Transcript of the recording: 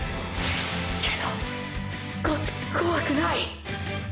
けど少し怖くない。